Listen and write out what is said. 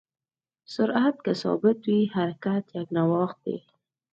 سرعت که ثابت وي، حرکت یکنواخت دی.